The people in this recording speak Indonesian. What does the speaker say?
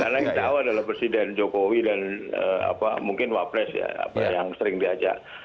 karena kita tahu adalah presiden jokowi dan mungkin wapres yang sering diajak